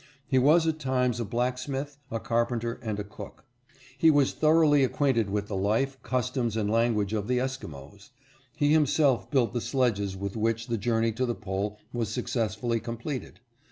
He was at times a blacksmith, a carpenter, and a cook. He was thoroughly acquainted with the life, customs, and language of the Esquimos. He himself built the sledges with which the journey to the Pole was successfully completed.